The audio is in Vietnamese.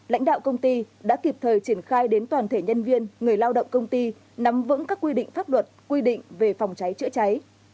lãnh đạo công ty đã kịp thời triển khai đến toàn thể nhân viên người lao động công ty nắm vững các quy định pháp luật quy định về phòng cháy chữa cháy